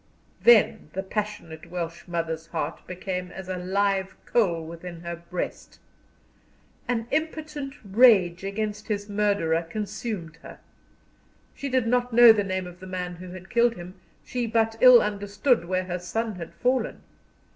Then the passionate Welsh mother's heart became as a live coal within her breast. An impotent rage against his murderer consumed her. She did not know the name of the man who had killed him, she but ill understood where her son had fallen.